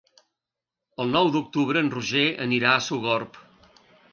El nou d'octubre en Roger anirà a Sogorb.